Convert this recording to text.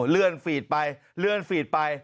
เลื่อนฟีดไปเลื่อนฟีดไป